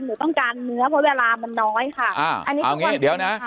หนูต้องการเนื้อเพราะเวลามันน้อยค่ะ